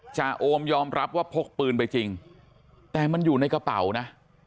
โอมยอมรับว่าพกปืนไปจริงแต่มันอยู่ในกระเป๋านะ